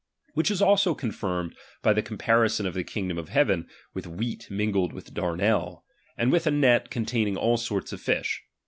Which is also confirmed by the comparison of the kingdom of heaven with wheat mingled with darnell, and with a net containing all sorts of fish.